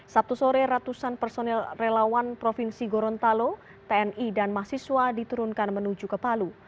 sabtu sore ratusan personel relawan provinsi gorontalo tni dan mahasiswa diturunkan menuju ke palu